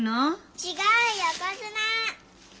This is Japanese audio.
違う横綱！